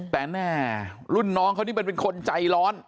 แต่แม่รุ่นน้องเขานี่มันเป็นคนใจร้อน